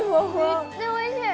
めっちゃおいしい。